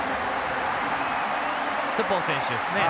トゥポウ選手ですね。